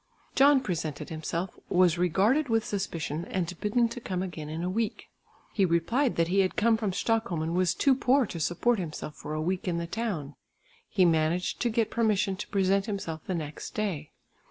John presented himself, was regarded with suspicion and bidden to come again in a week. He replied that he had come from Stockholm and was too poor to support himself for a week in the town. He managed to get permission to present himself the next day.